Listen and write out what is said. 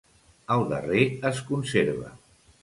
El darrer es conserva.